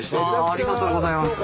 ありがとうございます。